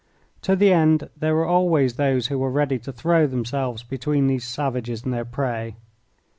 To the end there were always those who were ready to throw themselves between these savages and their prey.